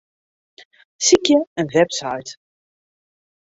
Sykje in website.